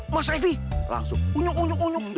mas revi langsung unyuk unyuk unyuk